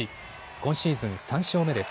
今シーズン３勝目です。